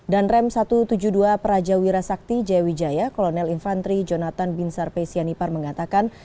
dan rem satu ratus tujuh puluh dua praja wira sakti jaya wijaya kolonel infantri jonathan bin sarpe sianipar mengatakan